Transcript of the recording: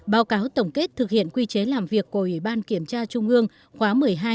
báo cáo tổng kết thực hiện quy chế làm việc của ủy ban kiểm tra trung ương khóa một mươi hai